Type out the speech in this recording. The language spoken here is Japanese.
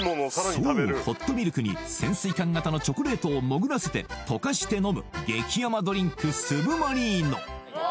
そうホットミルクに潜水艦形のチョコレートを潜らせて溶かして飲む激甘ドリンクスブマリーノ